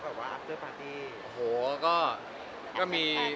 แบบว่าอัพเตอร์ปาร์ตี้